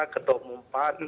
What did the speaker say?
ketua umum pan